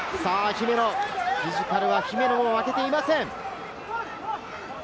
フィジカルは姫野も負けていません。